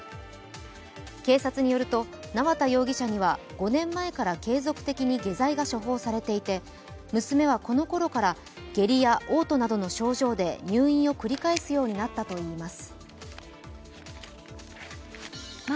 警察によると縄田容疑者には５年前から継続的に下剤が処方されていて娘はこのころから下痢やおう吐などの症状で入院を繰り返すようになったといいます。